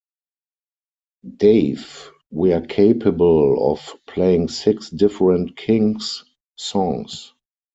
"Dave": "We're capable of playing six different Kinks' songs.